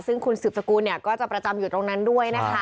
ซึ่งคุณสิบสกุลก็จะประจำอยู่ตรงนั้นด้วย